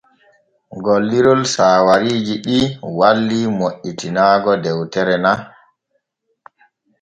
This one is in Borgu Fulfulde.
Gollirol saawariiji ɗi walli moƴƴitinaago dewtere na.